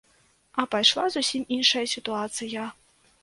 А пайшла зусім іншая сітуацыя.